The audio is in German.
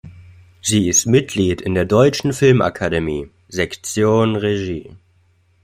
Sie ist Mitglied in der Deutschen Filmakademie, Sektion Regie.